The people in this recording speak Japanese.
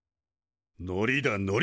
のりだのり！